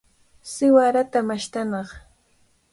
Siwarata mashtanaq.